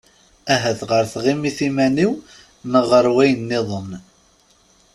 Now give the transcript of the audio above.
Ahat ɣer tɣimit iman-iw neɣ ɣer wayen-nniḍen.